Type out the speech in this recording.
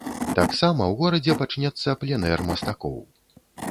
Таксама ў горадзе пачнецца пленэр мастакоў.